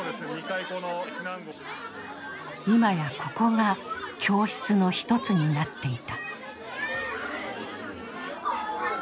今や、ここが教室の１つになっていた。